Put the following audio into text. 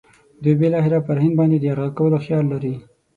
دوی بالاخره پر هند باندې د یرغل کولو خیال لري.